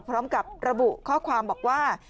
พร้อมกับระบุข้อความบอกว่า